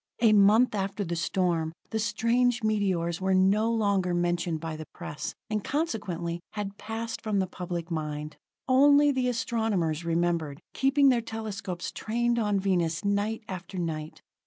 A month after the storm, the strange meteors were no longer mentioned by the press, and consequently, had passed from the public mind. Only the astronomers remembered, keeping their telescopes trained on Venus night after night.